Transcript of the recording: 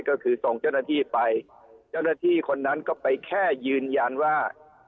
ก็คือส่งเจ้าหน้าที่ไปเจ้าหน้าที่คนนั้นก็ไปแค่ยืนยันว่า